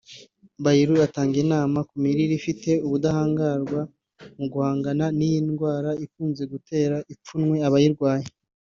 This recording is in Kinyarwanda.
Bailey atanga inama ku mirire ifite ubudahangarwa mu guhangana n’iyi ndwara ikunze gutera ipfunwe abayirwaye